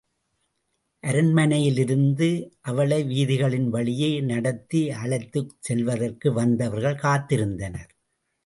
அரண்மனையிலிருந்து அவளை வீதிகளின் வழியே நடத்தி அழைத்துச் செல்வதற்கு வந்தவர்கள் காத்திருந்தனர்.